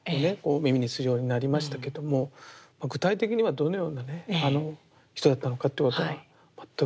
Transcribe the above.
耳にするようになりましたけども具体的にはどのような人だったのかっていうことは全く存じ上げてないですね。